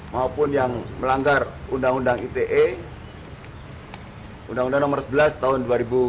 maupun yang melanggar undang undang ite undang undang nomor sebelas tahun dua ribu empat belas